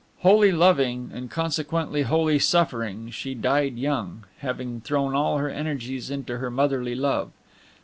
Wholly loving, and consequently wholly suffering, she died young, having thrown all her energies into her motherly love.